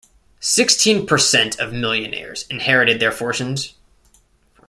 Sixteen percent of millionaires inherited their fortunes.